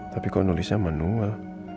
tapi kok nulisnya manual